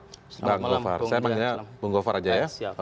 saya memangnya bung govar saja ya